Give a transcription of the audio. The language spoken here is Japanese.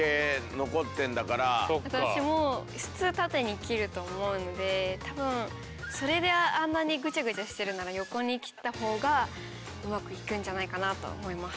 私も普通縦に切ると思うので多分それであんなにグチャグチャしてるなら横に切った方がうまくいくんじゃないかなと思います。